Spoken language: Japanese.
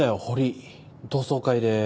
同窓会で。